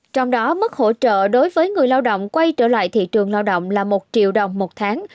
trong đó mức hỗ trợ đối với người lao động quay trở lại thị trường lao động là một triệu đồng một tháng